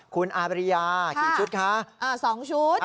คุณอาเบรียกี่ชุดคะสองชุด